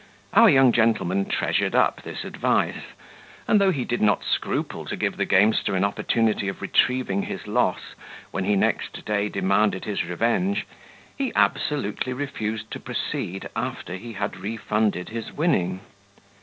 Our young gentleman treasured up this advice; and though he did not scruple to give the gamester an opportunity of retrieving his loss, when he next day demanded his revenge, he absolutely refused to proceed after he had refunded his winning.